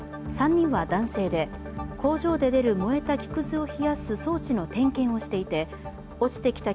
３人は男性で、工場で出る燃えた木くずを冷やす装置の点検をしていて落ちてきた